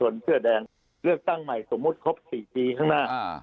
เสื้อแดงเลือกตั้งใหม่สมมุติครบ๔ปีข้างหน้า